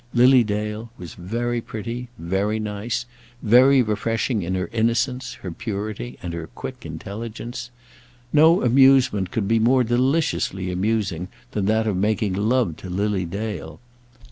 Lily Dale was very pretty, very nice, very refreshing in her innocence, her purity, and her quick intelligence. No amusement could be more deliciously amusing than that of making love to Lily Dale.